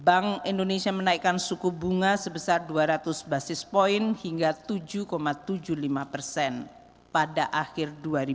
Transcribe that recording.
bank indonesia menaikkan suku bunga sebesar dua ratus basis point hingga tujuh tujuh puluh lima persen pada akhir dua ribu dua puluh